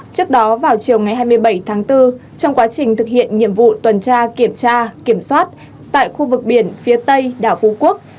trước đó vào chiều ngày hai mươi bảy tháng bốn trong quá trình thực hiện nhiệm vụ tuần tra kiểm tra kiểm soát tại khu vực biển phía tây đảo phú quốc